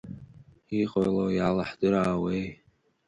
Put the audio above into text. Иҟало иалаҳдыраауеи…